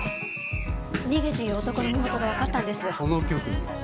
逃げている男の身元が分かったんです。